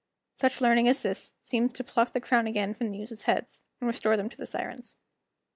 Such learning as this seems to pluck the crowns again from the Muses' heads, and restore them to the Sirens.